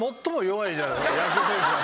野球選手は。